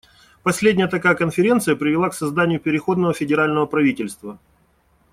Последняя такая конференция привела к созданию переходного федерального правительства.